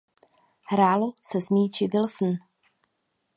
Hrálo se s míči Wilson.